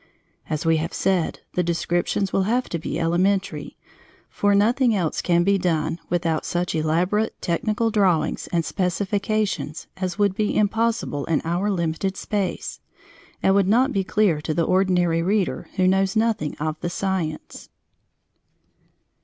As we have said, the descriptions will have to be elementary, for nothing else can be done without such elaborate technical drawings and specifications as would be impossible in our limited space, and would not be clear to the ordinary reader who knows nothing of the science.